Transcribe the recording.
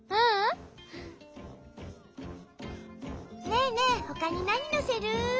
ねえねえほかになにのせる？